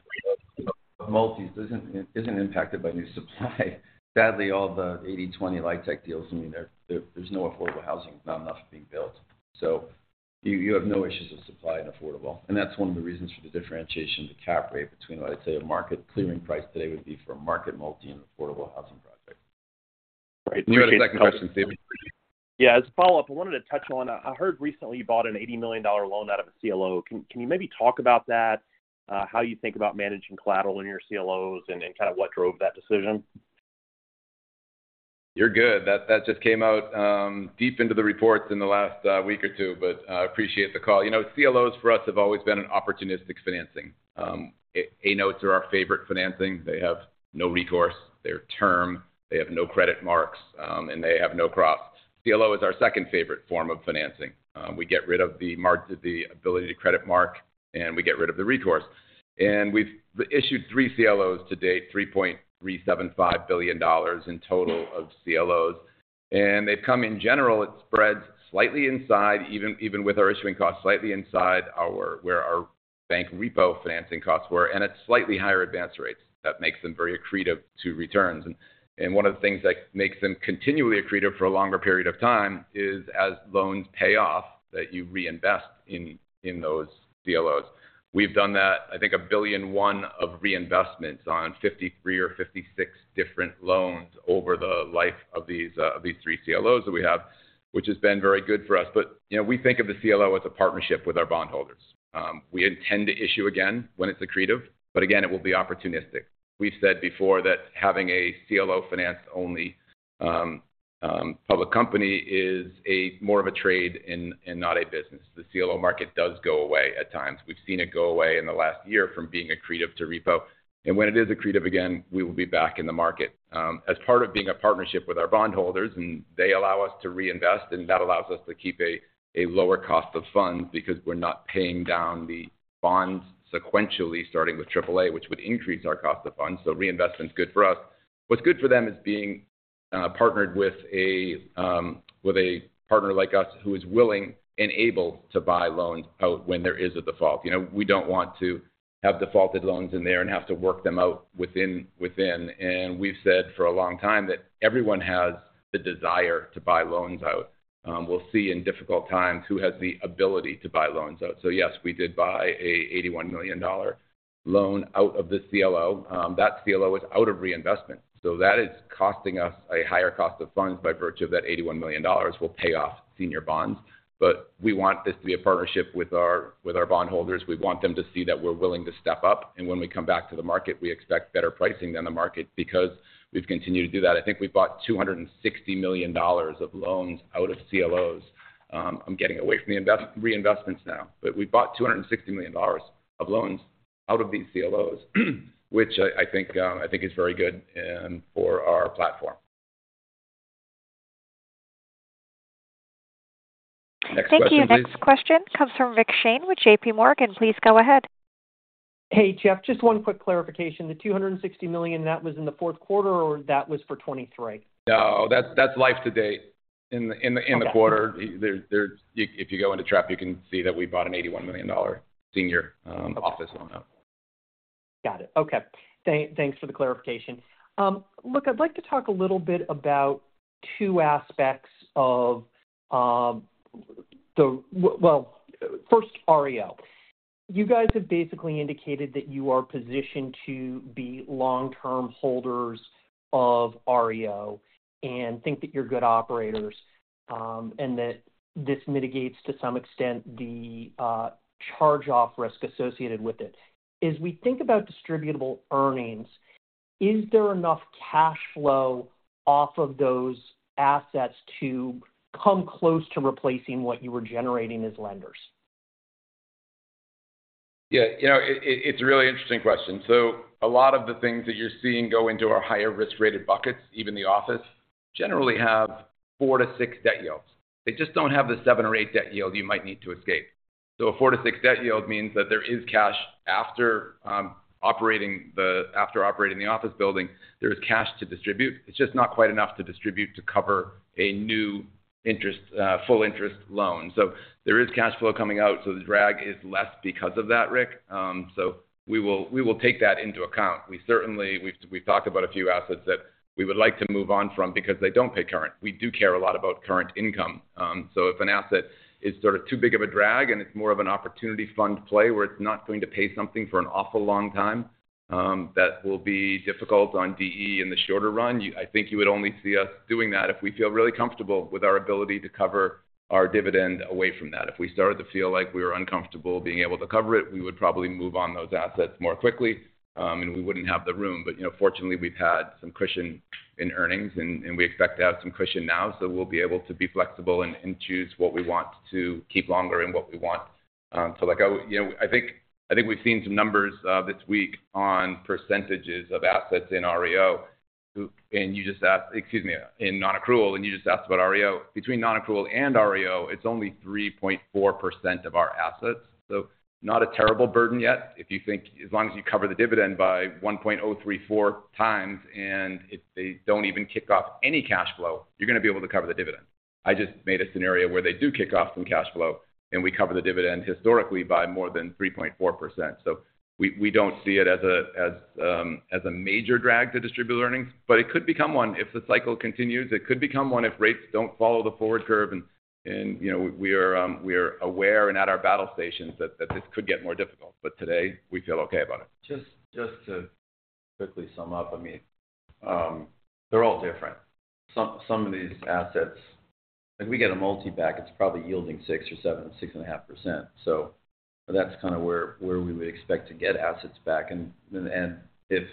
of multis isn't impacted by new supply. Sadly, all the 80-20 life tech deals, I mean, there's no affordable housing, not enough being built. So you have no issues with supply and affordable, and that's one of the reasons for the differentiation in the cap rate between, let's say, a market clearing price today would be for a market multi and affordable housing project. Right. You had a second question, Stephen? Yeah, as a follow-up, I wanted to touch on, I heard recently you bought an $80 million loan out of a CLO. Can you maybe talk about that, how you think about managing collateral in your CLOs and kind of what drove that decision? You're good. That just came out deep into the reports in the last week or two, but I appreciate the call. You know, CLOs for us have always been an opportunistic financing. A-notes are our favorite financing. They have no recourse, they're term, they have no credit marks, and they have no prep. CLO is our second favorite form of financing. We get rid of the mark, the ability to credit mark, and we get rid of the recourse. And we've issued three CLOs to date, $3.375 billion in total of CLOs, and they've come in general. It spreads slightly inside, even with our issuing costs, slightly inside our, where our bank repo financing costs were, and it's slightly higher advanced rates. That makes them very accretive to returns. One of the things that makes them continually accretive for a longer period of time is as loans pay off, that you reinvest in those CLOs. We've done that, I think, $1.1 billion of reinvestments on 53 or 56 different loans over the life of these three CLOs that we have, which has been very good for us. But, you know, we think of the CLO as a partnership with our bondholders. We intend to issue again when it's accretive, but again, it will be opportunistic. We've said before that having a CLO finance-only public company is more of a trade and not a business. The CLO market does go away at times. We've seen it go away in the last year from being accretive to repo, and when it is accretive again, we will be back in the market. As part of being a partnership with our bondholders, and they allow us to reinvest, and that allows us to keep a lower cost of funds because we're not paying down the bonds sequentially, starting with AAA, which would increase our cost of funds. So reinvestment is good for us. What's good for them is being partnered with a partner like us, who is willing and able to buy loans out when there is a default. You know, we don't want to have defaulted loans in there and have to work them out within. And we've said for a long time that everyone has the desire to buy loans out. We'll see in difficult times who has the ability to buy loans out. So yes, we did buy a $81 million loan out of the CLO. That CLO is out of reinvestment, so that is costing us a higher cost of funds by virtue of that $81 million we'll pay off senior bonds. But we want this to be a partnership with our, with our bondholders. We want them to see that we're willing to step up, and when we come back to the market, we expect better pricing than the market because we've continued to do that. I think we bought $260 million of loans out of CLOs. I'm getting away from the reinvestments now, but we bought $260 million of loans out of these CLOs, which I think is very good for our platform. Next question, please. Thank you. Next question comes from Rick Shane with JPMorgan. Please go ahead. Hey, Jeff. Just one quick clarification. The $260 million, that was in the fourth quarter, or that was for 2023? No, that's life to date in the quarter. Okay. There's – if you go into Trepp, you can see that we bought an $81 million senior office loan out. Got it. Okay. Thanks for the clarification. Look, I'd like to talk a little bit about two aspects of the... Well, first, REO. You guys have basically indicated that you are positioned to be long-term holders of REO, and think that you're good operators, and that this mitigates, to some extent, the charge-off risk associated with it. As we think about distributable earnings, is there enough cash flow off of those assets to come close to replacing what you were generating as lenders? Yeah, you know, it's a really interesting question. So a lot of the things that you're seeing go into our higher risk-rated buckets, even the office, generally have 4-6 debt yields. They just don't have the 7 or 8 debt yield you might need to escape. So a 4-6 debt yield means that there is cash after operating the office building, there is cash to distribute. It's just not quite enough to distribute to cover a new interest full interest loan. So there is cash flow coming out, so the drag is less because of that, Rick. So we will take that into account. We certainly we've talked about a few assets that we would like to move on from because they don't pay current. We do care a lot about current income. So if an asset is sort of too big of a drag and it’s more of an opportunity fund play where it’s not going to pay something for an awful long time, that will be difficult on DE in the shorter run. You—I think you would only see us doing that if we feel really comfortable with our ability to cover our dividend away from that. If we started to feel like we were uncomfortable being able to cover it, we would probably move on those assets more quickly, and we wouldn’t have the room. But, you know, fortunately, we’ve had some cushion in earnings and, and we expect to have some cushion now, so we’ll be able to be flexible and, and choose what we want to keep longer and what we want. So like I, you know, I think, I think we've seen some numbers this week on percentages of assets in REO. And you just asked—excuse me, in non-accrual, and you just asked about REO. Between non-accrual and REO, it's only 3.4% of our assets, so not a terrible burden yet. If you think, as long as you cover the dividend by 1.034x, and if they don't even kick off any cash flow, you're gonna be able to cover the dividend. I just made a scenario where they do kick off some cash flow, and we cover the dividend historically by more than 3.4%. So we, we don't see it as a, as, as a major drag to distribute earnings, but it could become one. If the cycle continues, it could become one. If rates don't follow the forward curve and, you know, we are aware and at our battle stations that this could get more difficult, but today we feel okay about it. Just, just to quickly sum up, I mean, they're all different. Some of these assets, if we get a multi back, it's probably yielding 6% or 7%, 6.5%. So that's kind of where we would expect to get assets back and if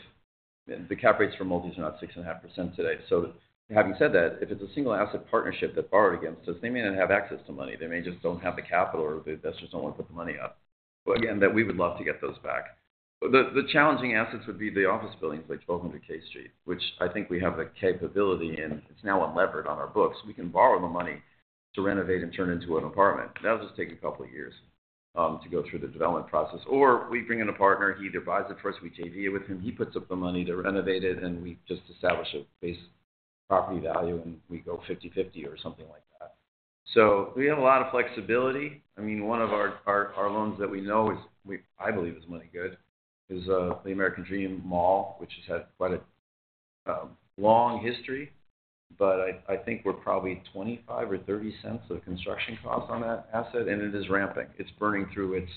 the cap rates for multis are not 6.5% today. So having said that, if it's a single asset partnership that borrowed against us, they may not have access to money. They may just don't have the capital, or the investors don't want to put the money up. But again, that we would love to get those back. The challenging assets would be the office buildings like 1200 K Street, which I think we have the capability and it's now unlevered on our books. We can borrow the money to renovate and turn into an apartment. That'll just take a couple of years to go through the development process. Or we bring in a partner, he either buys it for us, we JV it with him, he puts up the money to renovate it, and we just establish a base property value, and we go 50/50 or something like that. So we have a lot of flexibility. I mean, one of our loans that we know is I believe money good is the American Dream Mall, which has had quite a long history, but I think we're probably $.025 or $0.30 of construction costs on that asset, and it is ramping. It's burning through its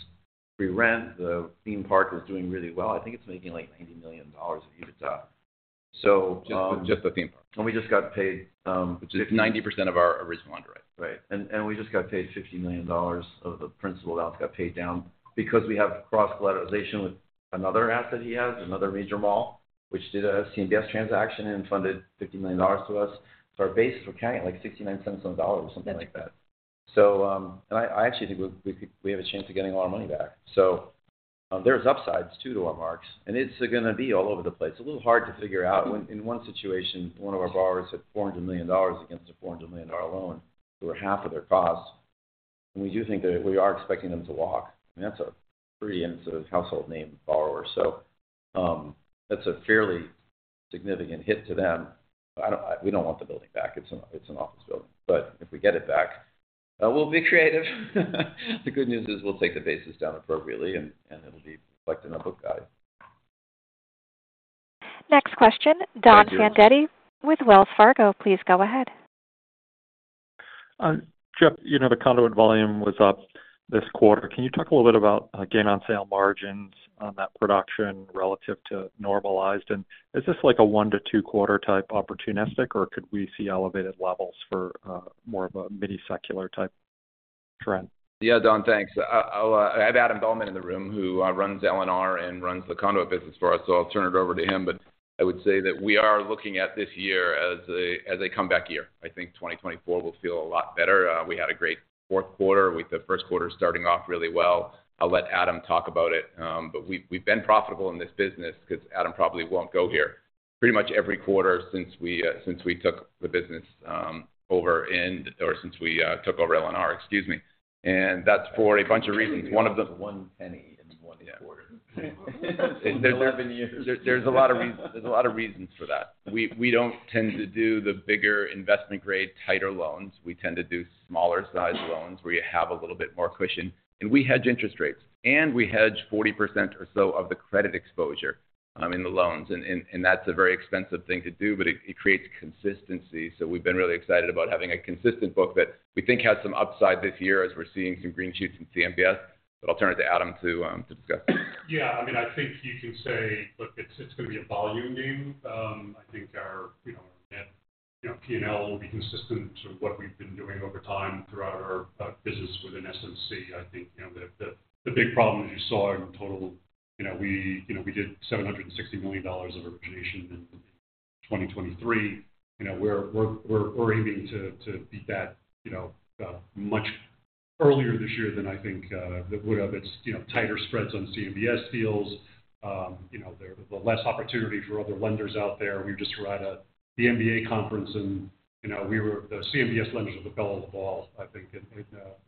free rent. The theme park is doing really well. I think it's making, like, $80 million in EBITDA. So, um- Just, just the theme park. We just got paid. Which is 90% of our original underwrite. Right. And, and we just got paid $50 million of the principal balance got paid down because we have cross-collateralization with another asset he has, another major mall, which did a CMBS transaction and funded $50 million to us. So our bases were counting, like, $0.69 on the dollar or something like that. So, and I actually think we have a chance of getting our money back. So, there's upsides too, to our marks, and it's gonna be all over the place. A little hard to figure out. In one situation, one of our borrowers had $400 million against a $400 million loan for half of their cost. And we do think that we are expecting them to walk, and that's a pretty household name borrower. So, that's a fairly significant hit to them. We don't want the building back. It's an office building, but if we get it back, we'll be creative. The good news is we'll take the basis down appropriately, and it'll be reflected in our book value. Next question, Don Fandetti with Wells Fargo. Please go ahead. Jeff, you know, the conduit volume was up this quarter. Can you talk a little bit about gain on sale margins on that production relative to normalized? And is this like a one to two quarter type opportunistic, or could we see elevated levels for more of a mini secular type trend? Yeah, Don, thanks. I have Adam Behlman in the room, who runs LNR and runs the conduit business for us, so I'll turn it over to him. But I would say that we are looking at this year as a comeback year. I think 2024 will feel a lot better. We had a great fourth quarter, with the first quarter starting off really well. I'll let Adam talk about it. But we've been profitable in this business, 'cause Adam probably won't go here. Pretty much every quarter since we took the business over in-- or since we took over LNR, excuse me, and that's for a bunch of reasons. One of them- One penny in one quarter. There's a lot of reasons, there's a lot of reasons for that. We don't tend to do the bigger investment grade, tighter loans. We tend to do smaller-sized loans, where you have a little bit more cushion. And we hedge interest rates, and we hedge 40% or so of the credit exposure in the loans. And that's a very expensive thing to do, but it creates consistency. So we've been really excited about having a consistent book that we think has some upside this year, as we're seeing some green shoots in CMBS. But I'll turn it to Adam to discuss. Yeah, I mean, I think you can say, look, it's gonna be a volume game. I think our, you know, net, you know, P&L will be consistent to what we've been doing over time throughout our business within S&C. I think, you know, the big problem, as you saw in total, you know, we did $760 million of origination in 2023. You know, we're aiming to beat that, you know, much earlier this year than I think that would have. It's, you know, tighter spreads on CMBS deals. You know, there, the less opportunity for other lenders out there. We just were at the MBA conference, and, you know, we were, the CMBS lenders were the belle of the ball, I think, and,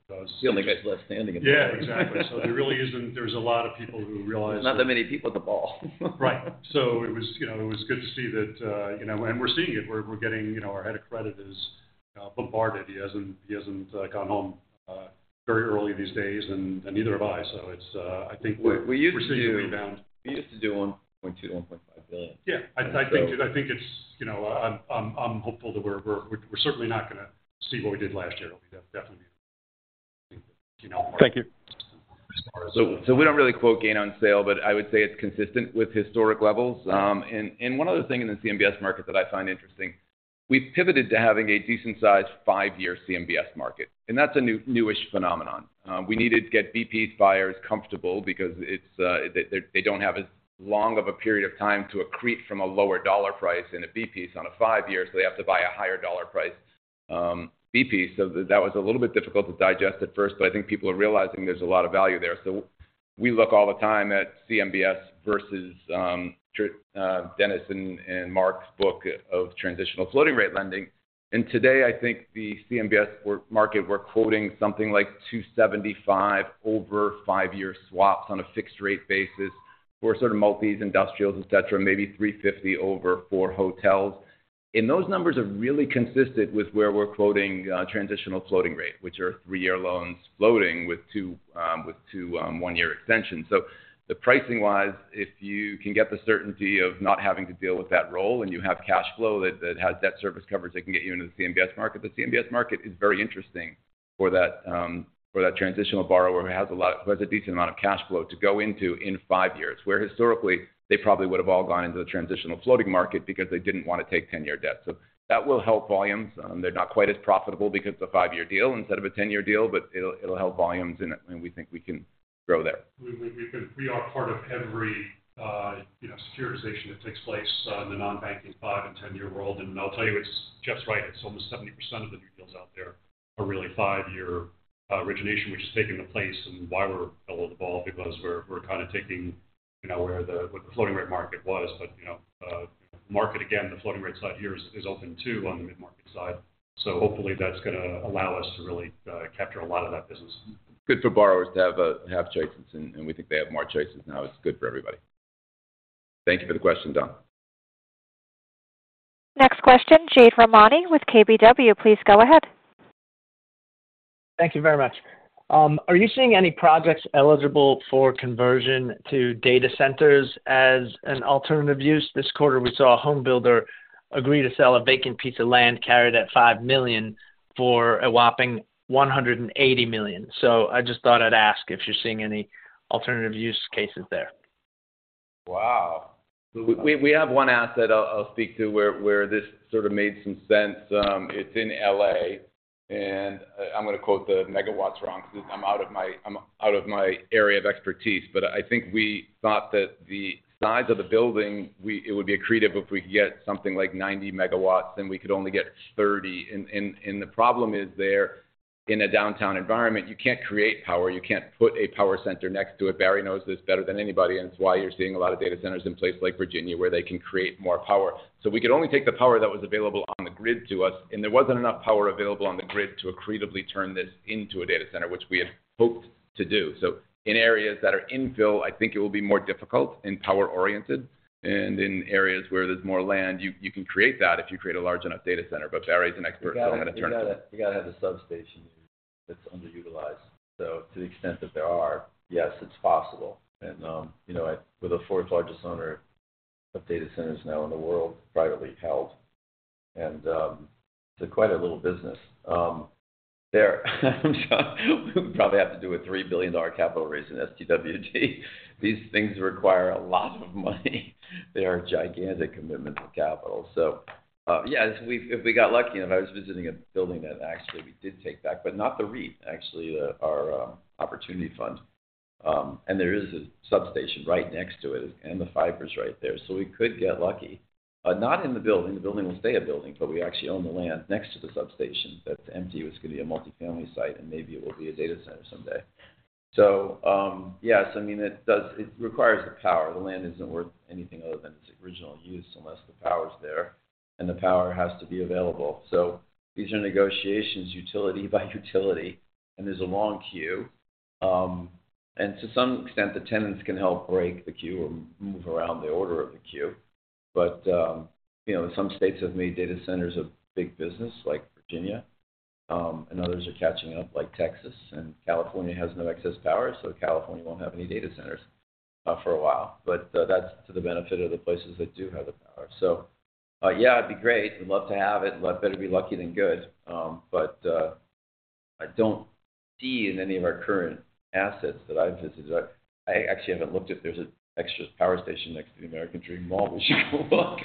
The only guys left standing at the ball. Yeah, exactly. So there really isn't—there's a lot of people who realize- Not that many people at the ball. Right. So it was, you know, it was good to see that, you know, and we're seeing it. We're getting, you know, our head of credit is bombarded. He hasn't gone home very early these days, and neither have I. So it's, I think we're- We used to do- We're seeing a rebound. We used to do $1.2 billion-$1.5 billion. Yeah, I think it's, you know, I'm hopeful that we're certainly not gonna see what we did last year. That's definitely, you know- Thank you. So we don't really quote gain on sale, but I would say it's consistent with historic levels. And one other thing in the CMBS market that I find interesting, we've pivoted to having a decent-sized five-year CMBS market, and that's a newish phenomenon. We needed to get B-piece buyers comfortable because it's they don't have as long of a period of time to accrete from a lower dollar price in a B-piece on a five-year, so they have to buy a higher dollar price B-piece. So that was a little bit difficult to digest at first, but I think people are realizing there's a lot of value there. So we look all the time at CMBS versus Dennis and Mark's book of transitional floating rate lending. Today, I think the CMBS market, we're quoting something like 275 over five-year swaps on a fixed-rate basis for sort of multis, industrials, et cetera, maybe 350 over four hotels. Those numbers are really consistent with where we're quoting transitional floating rate, which are three-year loans floating with two one-year extensions. So the pricing-wise, if you can get the certainty of not having to deal with that roll, and you have cash flow that has debt service coverage that can get you into the CMBS market. The CMBS market is very interesting for that transitional borrower who has a decent amount of cash flow to go into in five years, where historically, they probably would have all gone into the transitional floating market because they didn't want to take 10-year debt. So that will help volumes. They're not quite as profitable because it's a five-year deal instead of a 10-year deal, but it'll help volumes, and we think we can grow there. We can -- we are part of every, you know, securitization that takes place, in the non-banking five- and 10-year world. And I'll tell you, it's just right. It's almost 70% of the new deals out there are really five-year, origination, which has taken the place and why we're below the ball, because we're kind of taking, you know, where the, what the floating rate market was. But, you know, again, the floating rate side here is open, too, on the mid-market side. So hopefully that's gonna allow us to really, capture a lot of that business. Good for borrowers to have choices, and we think they have more choices now. It's good for everybody. Thank you for the question, Don. Next question, Jade Rahmani with KBW. Please go ahead. Thank you very much. Are you seeing any projects eligible for conversion to data centers as an alternative use? This quarter, we saw a home builder agree to sell a vacant piece of land carried at $5 million for a whopping $180 million. So I just thought I'd ask if you're seeing any alternative use cases there. Wow! We have one asset I'll speak to, where this sort of made some sense. It's in L.A., and I'm going to quote the megawatts wrong because I'm out of my area of expertise. But I think we thought that the size of the building, it would be accretive if we could get something like 90 MW, then we could only get 30 MW. And the problem is there, in a downtown environment, you can't create power. You can't put a power center next to it. Barry knows this better than anybody, and it's why you're seeing a lot of data centers in places like Virginia, where they can create more power. So we could only take the power that was available on the grid to us, and there wasn't enough power available on the grid to accretively turn this into a data center, which we had hoped to do. In areas that are infill, I think it will be more difficult and power-oriented. In areas where there's more land, you can create that if you create a large enough data center. Barry's an expert, so I'm gonna turn to him. You gotta have a substation. That's underutilized. So to the extent that there are, yes, it's possible. And, you know, with the fourth largest owner of data centers now in the world, privately held, and, it's quite a little business. There. We probably have to do a $3 billion capital raise in STWD. These things require a lot of money. They are a gigantic commitment to capital. So, yeah, if we, if we got lucky, and I was visiting a building that actually we did take back, but not the REIT, actually, our opportunity fund. And there is a substation right next to it, and the fiber's right there, so we could get lucky. Not in the building. The building will stay a building, but we actually own the land next to the substation that's empty, which could be a multifamily site, and maybe it will be a data center someday. So, yes, I mean, it does require the power. The land isn't worth anything other than its original use, unless the power's there, and the power has to be available. So these are negotiations, utility by utility, and there's a long queue. And to some extent, the tenants can help break the queue or move around the order of the queue. But, you know, some states have made data centers a big business, like Virginia, and others are catching up, like Texas. And California has no excess power, so California won't have any data centers, for a while. But that's to the benefit of the places that do have the power. So yeah, it'd be great. We'd love to have it. Well, I better be lucky than good. But I don't see in any of our current assets that I've visited. I actually haven't looked if there's an extra power station next to the American Dream Mall. We should go look.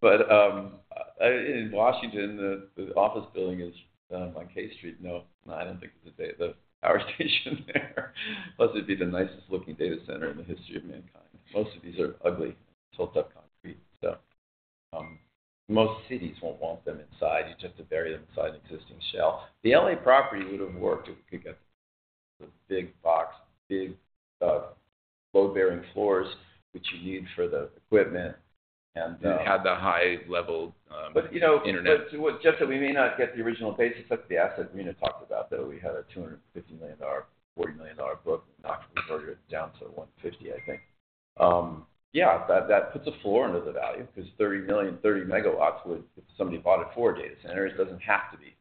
But in Washington, the office building is on K Street. No, I don't think the power station there. Plus, it'd be the nicest looking data center in the history of mankind. Most of these are ugly, built up concrete. So most cities won't want them inside. You just have to bury them inside an existing shell. The only property would have worked if we could get the big box, big load-bearing floors, which you need for the equipment and- It had the high level, internet. But, you know, just that we may not get the original basis, like the asset Rina talked about, though we had a $250 million, $40 million book, not converted down to $150 million, I think. Yeah, that puts a floor under the value, because 30 MW would, if somebody bought it for data centers, it doesn't have to be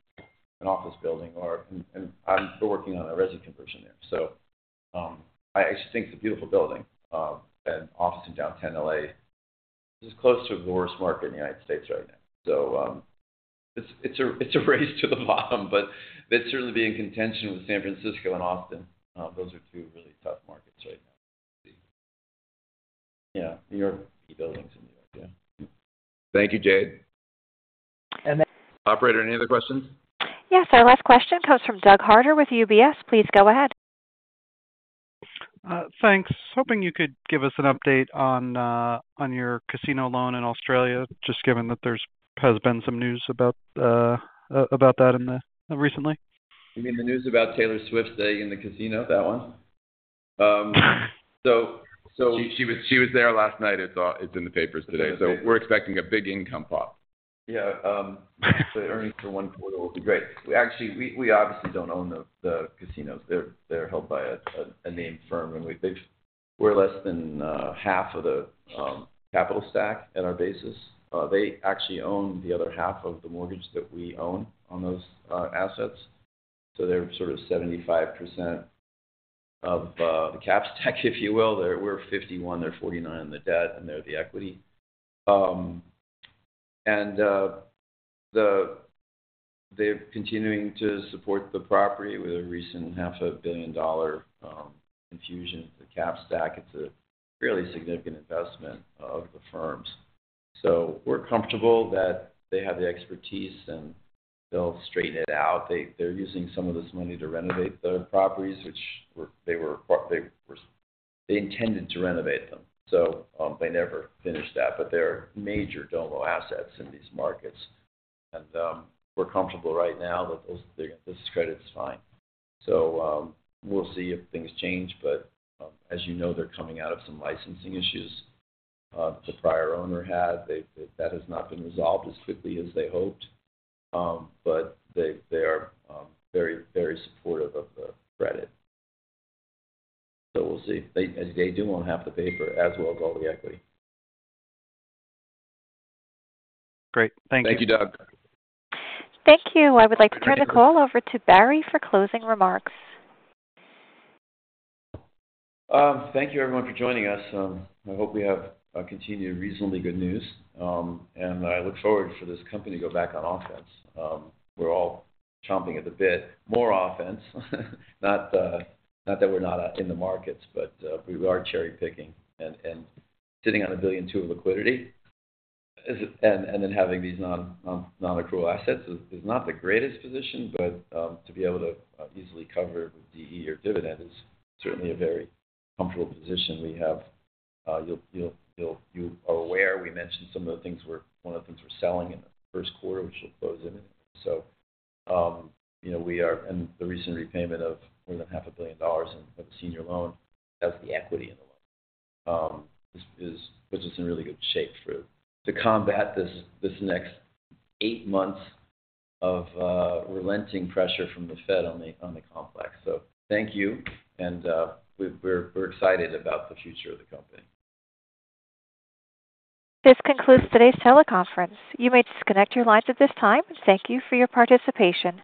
an office building or and, and I'm still working on a resi conversion there. So, I actually think it's a beautiful building, and office in Downtown LA. This is close to the worst market in the United States right now. So, it's a race to the bottom, but they'd certainly be in contention with San Francisco and Austin. Those are two really tough markets right now. Yeah, New York, buildings in New York. Yeah. Thank you, Jade. Operator, any other questions? Yes, our last question comes from Doug Harter with UBS. Please go ahead. Thanks. Hoping you could give us an update on your casino loan in Australia, just given that there has been some news about that recently. You mean the news about Taylor Swift staying in the casino, that one? She was there last night. It's in the papers today. So we're expecting a big income pop. Yeah, the earnings for one quarter will be great. We actually-- we obviously don't own the casinos. They're held by a named firm, and we've-- they're-- we're less than half of the capital stack at our basis. They actually own the other half of the mortgage that we own on those assets. So they're sort of 75% of the cap stack, if you will. They're-- we're 51, they're 49 in the debt, and they're the equity. And the... They're continuing to support the property with a recent $500 million infusion of the cap stack. It's a really significant investment of the firms. So we're comfortable that they have the expertise, and they'll straighten it out. They're using some of this money to renovate the properties, which they intended to renovate, so they never finished that. But there are major domino assets in these markets. And we're comfortable right now that those, this credit is fine. So we'll see if things change, but as you know, they're coming out of some licensing issues the prior owner had. That has not been resolved as quickly as they hoped, but they are very, very supportive of the credit. So we'll see. They do own half the paper as well as all the equity. Great. Thank you. Thank you, Doug. Thank you. I would like to turn the call over to Barry for closing remarks. Thank you, everyone, for joining us. I hope we have continued reasonably good news, and I look forward for this company to go back on offense. We're all chomping at the bit. More offense, not that we're not in the markets, but we are cherry-picking and sitting on $1.2 billion of liquidity. And then having these non-accrual assets is not the greatest position, but to be able to easily cover DE or dividend is certainly a very comfortable position we have. You are aware, we mentioned one of the things we're selling in the first quarter, which should close in it. So, you know, we are and the recent repayment of more than $500 million in of senior loan as the equity in the loan, which is in really good shape for to combat this, this next eight months of relenting pressure from the Fed on the on the complex. So thank you, and we're, we're excited about the future of the company. This concludes today's teleconference. You may disconnect your lines at this time. Thank you for your participation.